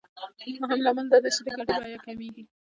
مهم لامل دا دی چې د ګټې بیه کمېږي